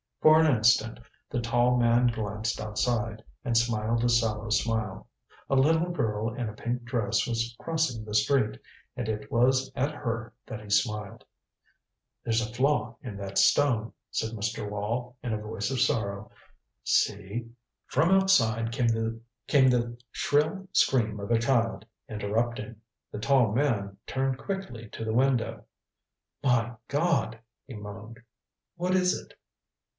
For an instant the tall man glanced outside, and smiled a sallow smile. A little girl in a pink dress was crossing the street, and it was at her that he smiled. "There's a flaw in that stone," said Mr. Wall, in a voice of sorrow. "See " From outside came the shrill scream of a child, interrupting. The tall man turned quickly to the window. "My God " he moaned. "What is it?"